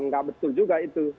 enggak betul juga itu